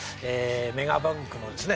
メガバンクのですね